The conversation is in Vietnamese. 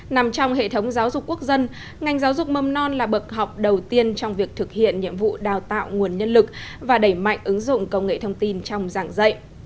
nằm trong hệ thống giáo dục quốc dân ngành giáo dục mầm non là bậc học đầu tiên trong việc thực hiện nhiệm vụ đào tạo nguồn nhân lực và đẩy mạnh ứng dụng công nghệ thông tin trong giảng dạy